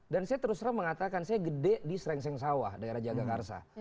dan saya terus terang mengatakan saya gede di serengseng sawah daerah jagakarsa